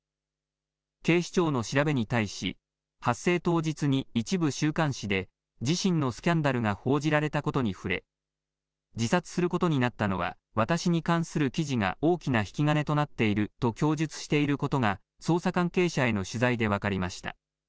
警視庁の調べに対し発生当日に一部週刊誌で自身のスキャンダルが報じられたことに触れ自殺することになったのは私に関する記事が大きな引き金となっていると供述していることが捜査関係者への取材で分かりました。